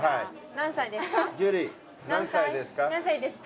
何歳ですか？